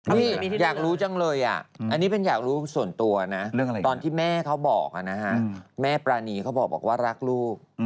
นี่อยากรู้จังเลยอ่ะอันนี้เป็นอยากรู้ส่วนตัวนะตอนที่แม่เขาบอกนะฮะแม่ปรานีเขาบอกว่ารักลูก